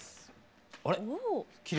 あれ？